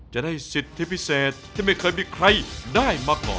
จะได้สิทธิพิเศษที่ไม่เคยมีใครได้มาก่อน